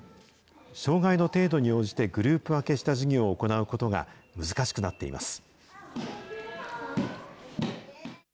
障害の程度に応じてグループ分けした授業を行うことが難しくなっています。